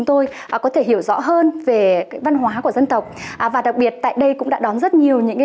tôi có thể hiểu rõ hơn về văn hóa của dân tộc và đặc biệt tại đây cũng đã đón rất nhiều những cái